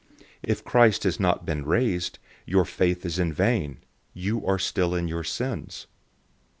015:017 If Christ has not been raised, your faith is vain; you are still in your sins.